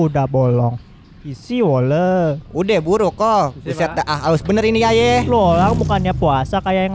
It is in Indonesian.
udah bolong isi wole udah buruk kok bisa tak harus bener ini ya ye lolong bukannya puasa kayak yang